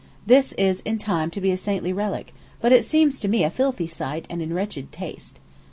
This is in time to be a saintly relic, but it seems to me a filthy sight, and in wretched taste.